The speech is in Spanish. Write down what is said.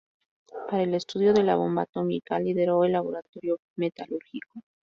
Para el estudio de la bomba atómica lideró el laboratorio metalúrgico.